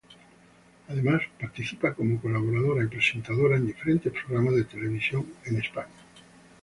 Además participa como colaboradora y presentadora en diferentes programas de televisión en España.